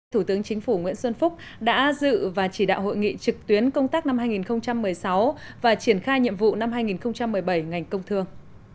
thủ tướng chính phủ nguyễn xuân phúc đã dự và chỉ đạo hội nghị trực tuyến công tác năm hai nghìn một mươi sáu và triển khai nhiệm vụ năm hai nghìn một mươi bảy ngành công thương